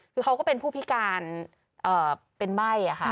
คือเขาก็เป็นผู้พิการเป็นใบ้ค่ะ